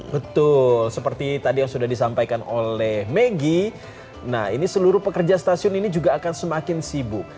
betul seperti tadi yang sudah disampaikan oleh maggie nah ini seluruh pekerja stasiun ini juga akan semakin sibuk